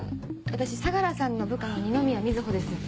私相良さんの部下の二宮瑞穂です。